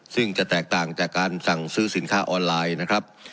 ซึ่งจะแตกต่างจากการสั่งซื้อสินค้าออนไลน์นะครับ